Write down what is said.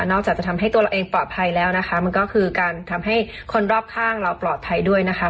จะทำให้ตัวเราเองปลอดภัยแล้วนะคะมันก็คือการทำให้คนรอบข้างเราปลอดภัยด้วยนะคะ